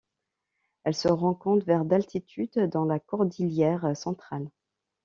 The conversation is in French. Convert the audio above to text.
Elle se rencontre vers d'altitude dans la cordillère Centrale.